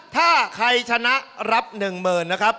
ถ้าใครชนะรับ๑๐๐๐นะครับ